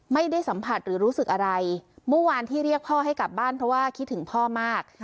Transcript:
ไม่ได้สัมผัสหรือรู้สึกอะไรเมื่อวานที่เรียกพ่อให้กลับบ้านเพราะว่าคิดถึงพ่อมาก